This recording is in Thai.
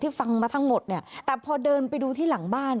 ฟังมาทั้งหมดเนี่ยแต่พอเดินไปดูที่หลังบ้าน